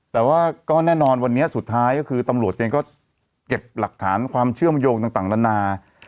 แต่ว่าก็แน่นอนวันนี้สุดท้ายก็คือตำรวจเองก็เก็บหลักฐานความเชื่อมโยงต่างละนา